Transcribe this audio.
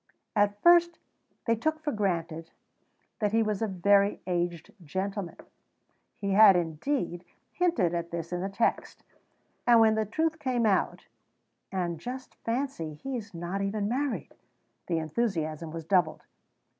At first they took for granted that he was a very aged gentleman; he had, indeed, hinted at this in the text; and when the truth came out ("And just fancy, he is not even married!") the enthusiasm was doubled.